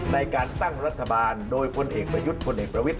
ในการตั้งรัฐบาลโดยพลเอกประยุทธ์พลเอกประวิทธ